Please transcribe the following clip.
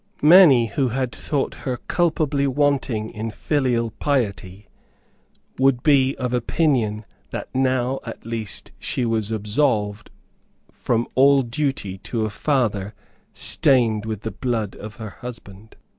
Many, who had thought her culpably wanting in filial piety, would be of opinion that now at least she was absolved from all duty to a father stained with the blood of her husband.